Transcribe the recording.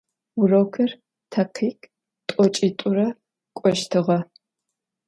Vurokır takhikh t'oç'it'ure k'oştığe.